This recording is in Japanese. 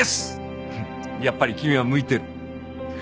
やっぱり君は向いてる。